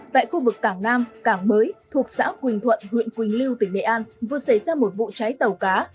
tại khu vực cảng nam cảng mới thuộc xã quỳnh thuận huyện quỳnh lưu tỉnh nghệ an vừa xảy ra một vụ cháy tàu cá